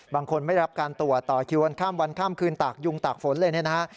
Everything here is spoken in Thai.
บางคนไม่รับการตรวจต่อคิวกันข้ามวันข้ามคืนตากยุงตากฝนเลยเนี่ยนะฮะ